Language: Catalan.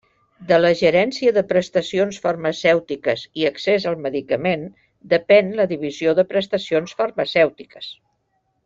De la Gerència de Prestacions Farmacèutiques i Accés al Medicament depèn la Divisió de Prestacions Farmacèutiques.